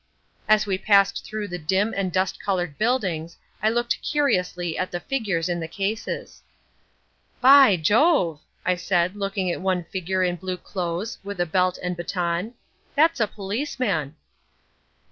As we passed through the dim and dust covered buildings I looked curiously at the figures in the cases. "By Jove!" I said looking at one figure in blue clothes with a belt and baton, "that's a policeman!"